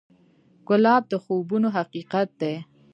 ګلاب د خوبونو حقیقت دی.